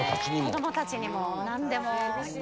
子どもたちにもなんでも。